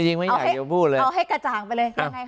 จริงไม่อยากจะพูดเลยเอาให้กระจ่างไปเลยยังไงคะ